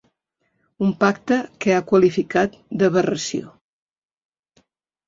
Un pacte que ha qualificat d’aberració.